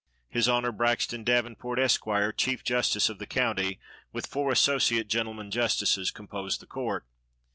His Honor, Braxton Davenport, Esq., chief justice of the county, with four associate gentlemen justices, composed the court.